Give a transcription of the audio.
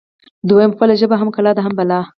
دویم: خپله ژبه هم کلا ده هم بلا